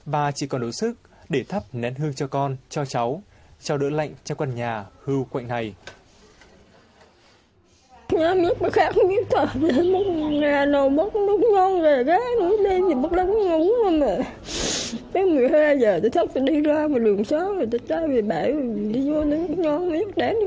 bà chỉ còn đủ sức để thắp nén hương cho con cho cháu cho đỡ lạnh cho quần nhà hư quạnh ngày